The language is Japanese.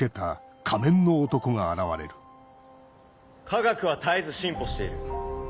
科学は絶えず進歩している。